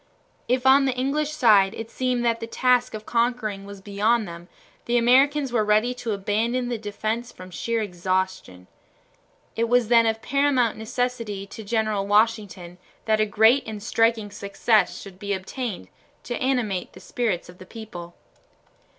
If on the English side it seemed that the task of conquering was beyond them, the Americans were ready to abandon the defense from sheer exhaustion. It was then of paramount necessity to General Washington that a great and striking success should be obtained to animate the spirits of the people.